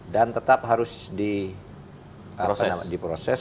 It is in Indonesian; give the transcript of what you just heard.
dan tetap harus diproses